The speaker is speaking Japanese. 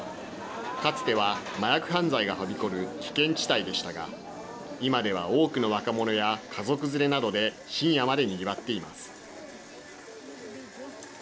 かつては麻薬犯罪がはびこる危険地帯でしたが今では多くの若者や家族連れなどで深夜までにぎわっています。